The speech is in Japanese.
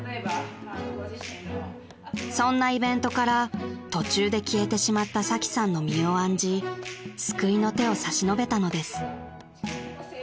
［そんなイベントから途中で消えてしまったサキさんの身を案じ救いの手を差し伸べたのです］